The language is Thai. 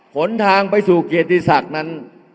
หนทางไปสู่เกียรติศักดิ์นั้น